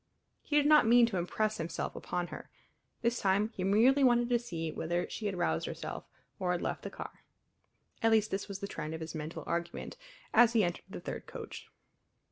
He did not mean to impress himself upon her; this time he merely wanted to see whether she had roused herself, or had left the car. At least this was the trend of his mental argument as he entered the third coach.